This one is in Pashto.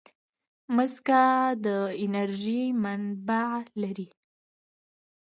مځکه د انرژۍ منابع لري.